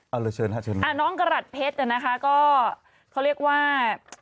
เอาเลยเชิญน้องกระหลัดเพชรนะคะก็เขาเรียกว่า